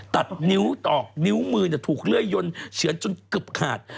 ตัดนิ้วออกนิ้วมือถูกเลื่อยยนเฉือนจนเกือบขาด